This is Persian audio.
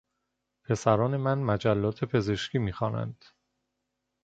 پسران من مجلات پزشکی میخوانند.